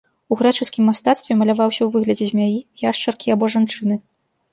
У грэчаскім мастацтве маляваўся ў выглядзе змяі, яшчаркі або жанчыны.